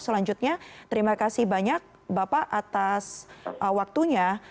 selanjutnya terima kasih banyak bapak atas waktunya